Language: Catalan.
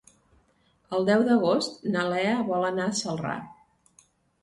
El deu d'agost na Lea vol anar a Celrà.